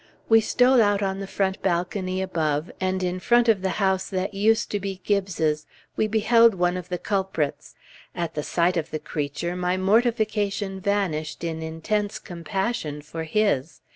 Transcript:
We stole out on the front balcony above, and in front of the house that used to be Gibbes's, we beheld one of the culprits. At the sight of the creature, my mortification vanished in intense compassion for his.